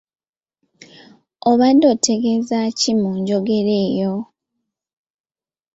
Obadde otegeeza ki mu njogera eyo?